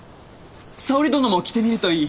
沙織殿も着てみるといい。